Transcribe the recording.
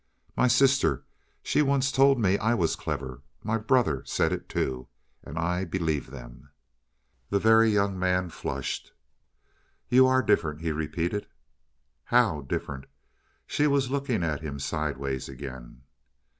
"My sister, she once told me I was clever. My brother said it, too, and I believed them." The Very Young Man flushed. "You're different," he repeated. "How different?" She was looking at him sidewise again.